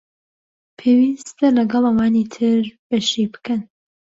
پێوستە لەگەڵ ئەوانی تر بەشی بکەن